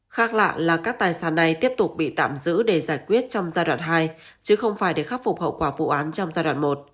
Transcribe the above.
khác lạ là các tài sản này tiếp tục bị tạm giữ để giải quyết trong giai đoạn hai chứ không phải để khắc phục hậu quả vụ án trong giai đoạn một